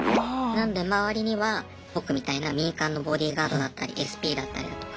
なので周りには僕みたいな民間のボディーガードだったりＳＰだったりだとか。